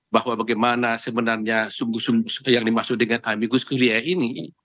bahwa bagaimana sebenarnya yang dimaksud dengan amigus curiae ini